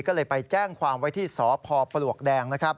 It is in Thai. ก็เลยไปแจ้งความไว้ที่สพปลวกแดงนะครับ